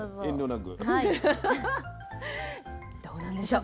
どうなんでしょう？